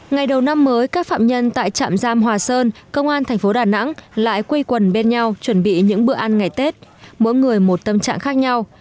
ngày đầu năm mới các phạm nhân tại trạm giam hòa sơn công an thành phố đà nẵng lại quây quần bên nhau chuẩn bị những bữa ăn ngày tết mỗi người một tâm trạng khác nhau